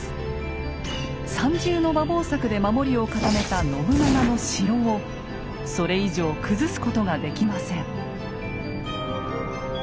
３重の馬防柵で守りを固めた信長の「城」をそれ以上崩すことができません。